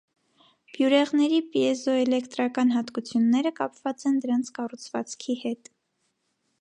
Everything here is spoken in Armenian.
Բյուրեղների պիեզոէլեկտրական հատկությունները կապված են դրանց կառուցվածքի հետ։